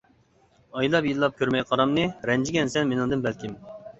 ئايلاپ-يىللاپ كۆرمەي قارامنى، رەنجىگەنسەن مېنىڭدىن بەلكىم.